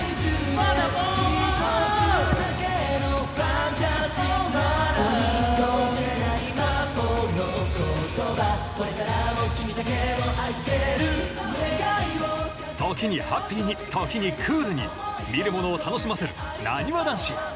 「永遠に解けない魔法の言葉」「「これからもキミだけを愛してる」」時にハッピーに時にクールに見る者を楽しませるなにわ男子。